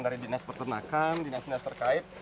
dari dinas pertenakan dinas dinas terkait